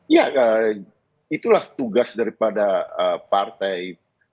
ya itulah tugas daripada partai